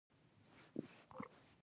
ایا زه باید مرچ وخورم؟